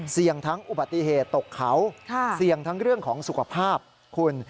เสี่ยงทั้งอุบัติเหตุตกเขาเสี่ยงทั้งเรื่องของสุขภาพคุณ